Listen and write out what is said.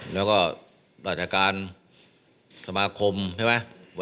แล้วก็ราชการสมาคมใช่ไหม